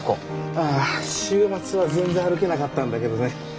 ああ週末は全然歩けなかったんだけどね。